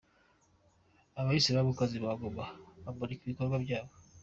Abayisilamukazi ba Ngoma bamurika ibikorwa byabo.